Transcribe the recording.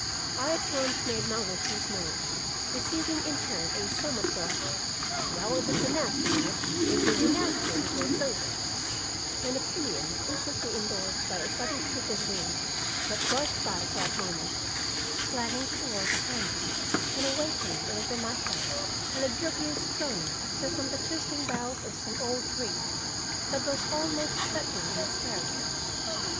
I at once made my wishes known, receiving in turn a somewhat gruff, "'Well it is a nasty night and it will be nastier before it's over;' an opinion instantly endorsed by a sudden swoop of wind that rushed by at that moment, slamming the door behind him and awakening over my head a lugubrious groaning as from the twisting boughs of some old tree, that was almost threatening in its character.